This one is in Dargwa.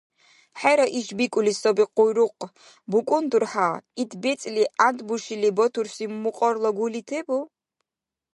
ХӀера иши бикӀули саби къуйрукъ, БукӀун дурхӀя, ит бецӀли гӀяндбушили батурси мукьарла гули тебу?